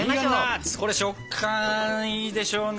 これ食感いいでしょうね。